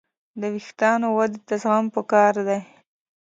د وېښتیانو ودې ته زغم پکار دی.